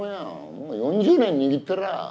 もう４０年握ってらぁ。